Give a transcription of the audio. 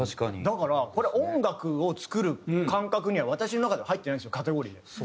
だから音楽を作る感覚には私の中では入ってないんですよカテゴリーに。